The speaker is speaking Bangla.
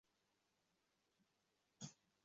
বলিয়া বসন্ত রায় তাহাকে পাকড়া করিলেন।